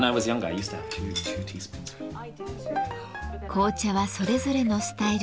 紅茶はそれぞれのスタイルで。